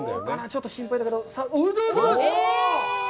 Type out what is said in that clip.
ちょっと心配だけど。